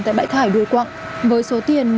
tại bãi thải đuôi quặng với số tiền